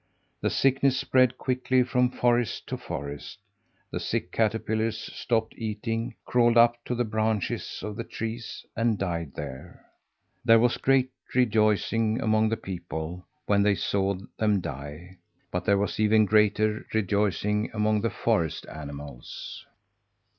The sickness spread quickly from forest to forest. The sick caterpillars stopped eating, crawled up to the branches of the trees, and died there. There was great rejoicing among the people when they saw them die, but there was even greater rejoicing among the forest animals.